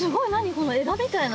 この枝みたいなトンボ。